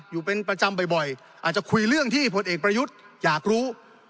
อยู่เป็นประจำบ่อยอาจจะคุยเรื่องที่ผลเอกประยุทธ์อยากรู้